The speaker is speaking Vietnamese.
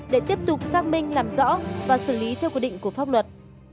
để tiếp tục xác minh làm rõ và xử lý theo quy định của pháp luật